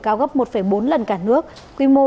cao gấp một bốn lần cả nước quy mô